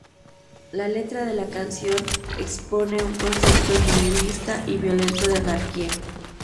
La letra de la canción expone un concepto nihilista y violento de anarquía.